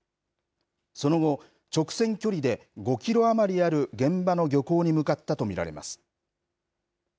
その後、直線距離で５キロ余りある現場の漁港に向かったと見られます。